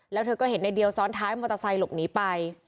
แล้วเธอก็เห็นในเดียวซ้อนท้ายมอเตอร์ไซค์หลบหนีไป